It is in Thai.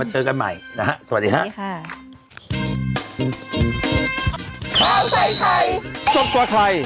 เชื่อมั้ยกันไหว